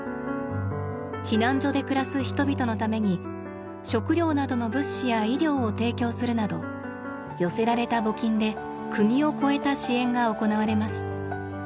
避難所で暮らす人々のために食料などの物資や医療を提供するなど寄せられた募金で国を超えた支援が行われます。